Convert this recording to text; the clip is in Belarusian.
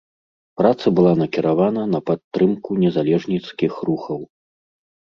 Праца была накіравана на падтрымку незалежніцкіх рухаў.